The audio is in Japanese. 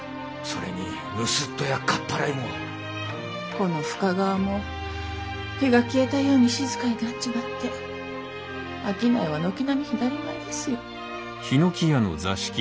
この深川も火が消えたように静かになっちまって商いは軒並み左前ですよ。